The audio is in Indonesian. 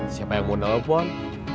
siapa yang mau nelfon